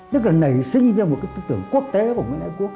tức là nảy sinh ra một cái tư tưởng quốc tế của nguyễn ái quốc